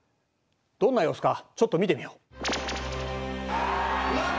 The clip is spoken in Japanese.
どんな様子かちょっと見てみよう。